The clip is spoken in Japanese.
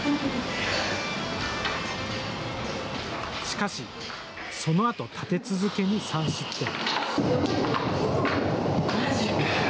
しかし、そのあと立て続けに３失点。